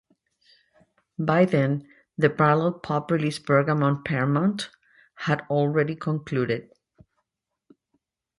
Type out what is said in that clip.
By then the parallel pop release program on Paramount had already concluded.